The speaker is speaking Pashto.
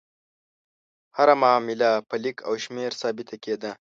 هره معامله په لیک او شمېر ثابته کېده.